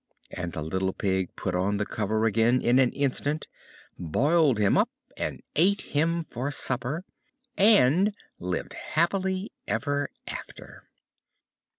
And the little Pig put on the cover again in an instant, boiled him up, and ate him for supper, and lived happy ever after.